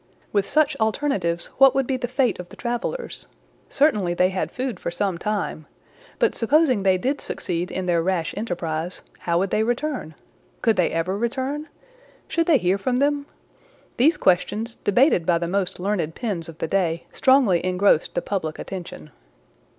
With such alternatives, what would be the fate of the travelers? Certainly they had food for some time. But supposing they did succeed in their rash enterprise, how would they return? Could they ever return? Should they hear from them? These questions, debated by the most learned pens of the day, strongly engrossed the public attention.